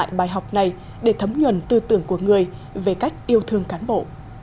hãy cùng ôn lại bài học này để thấm nhuận tư tưởng của người về cách yêu thương cán bộ